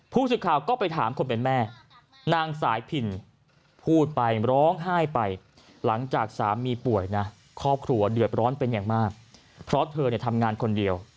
เพราะเธอเนี่ยทำงานคนเดียว